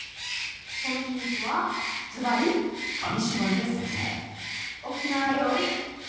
その秘密はずばり沖縄料理。